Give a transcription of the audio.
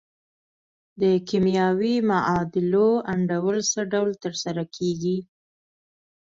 د کیمیاوي معادلو انډول څه ډول تر سره کیږي؟